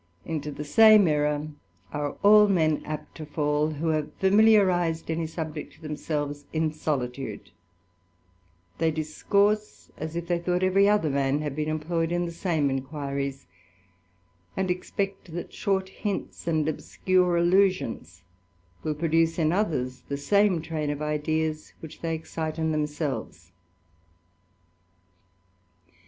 Into the same error are all men apt to fall, who have familiarized any subject to themselves in solitude : they discourse as if they thought every other man had been employed iii the same enquiries ; and expect that short hints and obscure allusions * Note XX., Appendix. THE AD VENTURER. 231 ^ produce in others the same train of ideas which they ixcite in themselves.